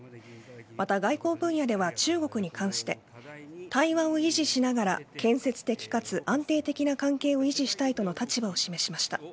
また外交分野では中国に関して対話を維持しながら建設的かつ安定的な関係を維持したいとの立場を示しました。